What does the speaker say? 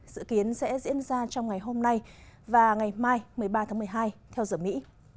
dự kiến sẽ diễn ra trong ngày hôm nay và ngày mai một mươi ba tháng một mươi hai theo giờ mỹ